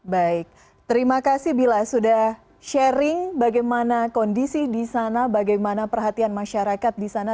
baik terima kasih bila sudah sharing bagaimana kondisi di sana bagaimana perhatian masyarakat di sana